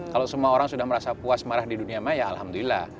kalau semua orang sudah merasa puas marah di dunia maya alhamdulillah